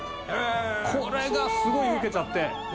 これがすごいウケちゃって。